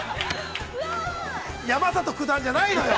◆山里九段じゃないのよ。